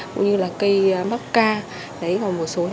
ví dụ như những loài cây như keo bạch đạn